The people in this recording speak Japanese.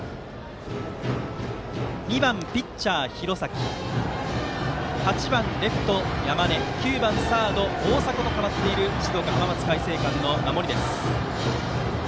２番、ピッチャー廣崎８番、レフト山根９番、サード大迫と代わっている静岡・浜松開誠館の守り。